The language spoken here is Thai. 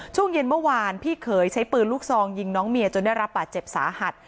ช่วงเย็นเมื่อวานพี่เขยใช้ปืนลูกซองยิงน้องเมียจนได้รับบาดเจ็บสาหัส